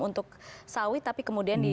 untuk sawit tapi kemudian di